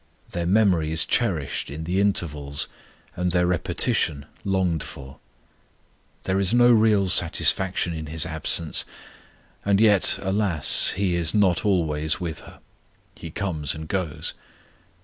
Their memory is cherished in the intervals, and their repetition longed for. There is no real satisfaction in His absence, and yet, alas! He is not always with her: He comes and goes.